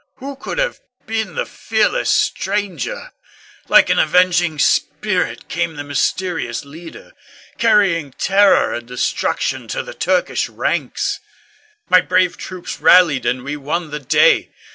Who could have been the fearless stranger? Like an avenging spirit came the mysterious leader, carrying terror and destruction to the Turkish ranks. My brave troops rallied and we won the day.